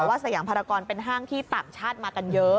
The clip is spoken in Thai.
สยามภารกรเป็นห้างที่ต่างชาติมากันเยอะ